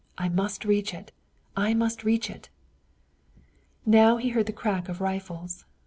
I must reach it! I must reach it!" Now he heard the crack of rifles.